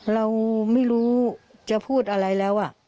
เราไม่รู้จะพูดอะไรแล้ว